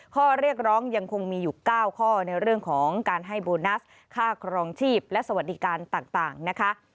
ข้อเรียกร้องยังคงมีอยู่๙ข้อในเรื่องของการให้โบนัสค่าครองชีพและสวัสดิการต่างนะคะ